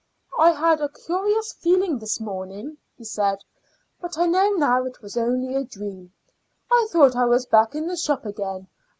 "I had a curious feeling this morning," he said; "but I know now it was only a dream. I thought I was back in the shop again.